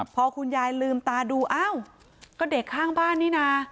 พอคุณยายลืมตาดูอ้าวก็เด็กข้างบ้านนี่นะ